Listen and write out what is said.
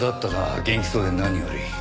元気そうで何より。